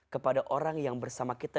kepada orang yang bersama kita